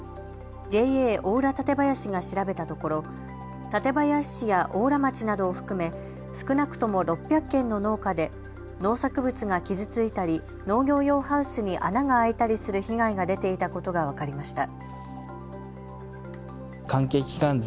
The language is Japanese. ＪＡ邑楽館林が調べたところ館林市や邑楽町などを含め少なくとも６００軒の農家で農作物が傷ついたり農業用ハウスに穴が開いたりする被害が出ていたことが分かりました。